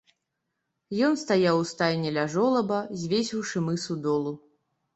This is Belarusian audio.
Ён стаяў у стайні ля жолаба, звесіўшы мысу долу.